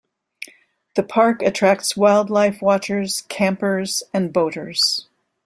The park attracts wildlife watchers, campers, and boaters.